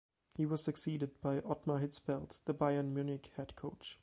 He was succeeded by Ottmar Hitzfeld the Bayern Munich head coach.